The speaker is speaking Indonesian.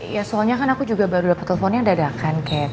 ya soalnya kan aku juga baru dapet teleponnya yang dadakan kat